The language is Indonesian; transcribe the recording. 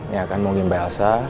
yang akan mengunggi mba asa